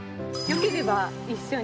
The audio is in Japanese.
よければ。